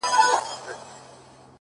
• ه ولي په زاړه درد کي پایماله یې؛